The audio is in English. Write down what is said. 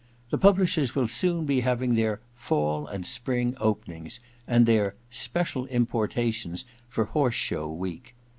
The publishers will soon be having their fall and spring openings" and their "special importations for Horse Show Week.'